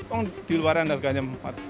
orang diluar kan harganya empat belas